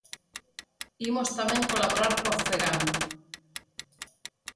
Imos tamén colaborar coa Fegamp.